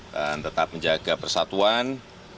dan tetap menjaga persatuan